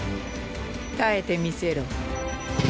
耐えてみせろ。